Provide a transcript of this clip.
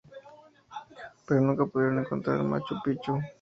Pero nunca pudieron encontrar Machu Picchu.